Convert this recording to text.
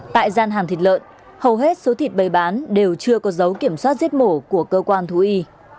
tại gian hàng thịt lợn hầu hết số thịt bày bán đều chưa có dấu kiểm soát giết mổ của cơ quan thú y